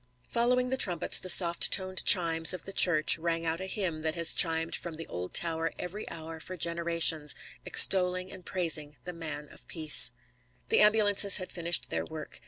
Following the trumpets the soft toned chimes of the church rang out a hymn that has chimed from the old tower every hour for generations, extolling and praising the Man of Peace. The ambulances had finished their work.